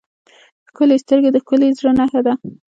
ښکلي سترګې د ښکلي زړه نښه ده.